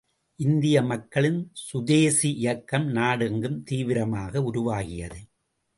இந்திய மக்களின் சுதேசி இயக்கம் நாடெங்கும் தீவிரமாக உருவாகியது.